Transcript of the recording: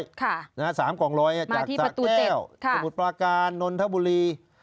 จากสะเก้วสมุทรปลาการนลธบุรี